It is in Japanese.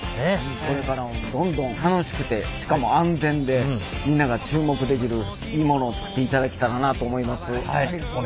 これからもどんどん楽しくてしかも安全でみんなが注目できるいいものを作っていただけたらなと思います。